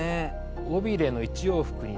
尾びれの１往復にですね